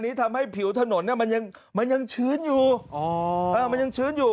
นี้ทำให้ผิวถนนเนี้ยมันยังมันยังชื้นอยู่อ๋อมันยัง